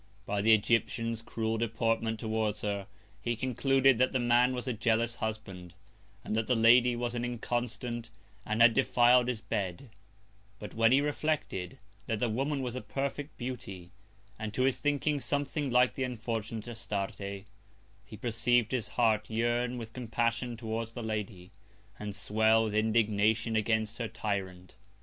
By the Egyptian's cruel Deportment towards her, he concluded that the Man was a jealous Husband, and that the Lady was an Inconstant, and had defil'd his Bed: But when he reflected, that the Woman was a perfect Beauty, and to his thinking something like the unfortunate Astarte, he perceiv'd his Heart yearn with Compassion towards the Lady, and swell with Indignation against her Tyrant.